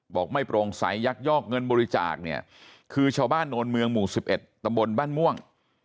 ไม่โปร่งใสยักยอกเงินบริจาคเนี่ยคือชาวบ้านโนนเมืองหมู่๑๑ตำบลบ้านม่วง